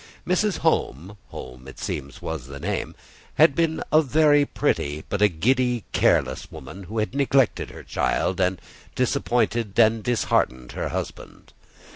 Mrs. Home (Home it seems was the name) had been a very pretty, but a giddy, careless woman, who had neglected her child, and disappointed and disheartened her husband.